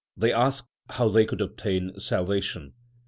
They asked how they could obtain salvation.